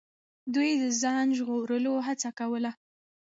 دوی د ځان ژغورلو هڅه کوله.